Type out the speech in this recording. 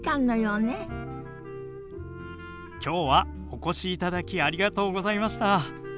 今日はお越しいただきありがとうございました。